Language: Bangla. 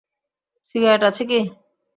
সিগারেট আছে কী?